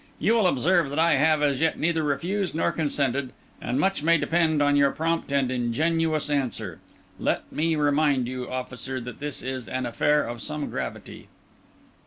You will observe that I have as yet neither refused nor consented, and much may depend on your prompt and ingenuous answer. Let me remind you, officer, that this is an affair of some gravity."